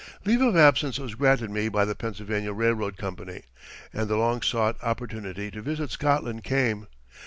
] Leave of absence was granted me by the Pennsylvania Railroad Company, and the long sought opportunity to visit Scotland came.